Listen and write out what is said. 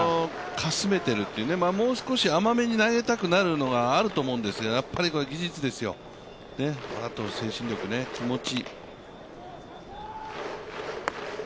かすめている、もう少し甘めに投げたくなるのがあると思うんですけど、やっぱり技術ですよ、あと精神力ね気持ち。